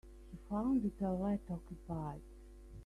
He found the toilet occupied.